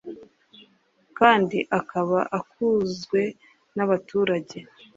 kandi akaba akunzwe n'abaturage